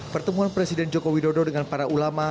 pertemuan presiden jokowi dodo dengan para ulama